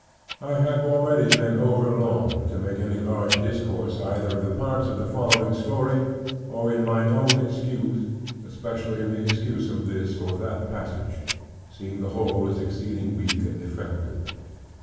I have already been over long, to make any large discourse either of the parts of the following story, or in mine own excuse: especially in the excuse of this or that passage; seeing the whole is exceeding weak and defective.